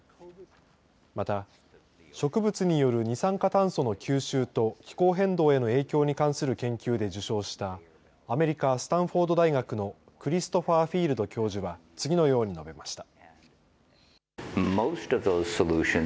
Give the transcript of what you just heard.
また植物による二酸化炭素の吸収と気候変動への影響に関する研究で受賞したアメリカ、スタンフォード大学のクリストファー・フィールド教授は次のように述べました。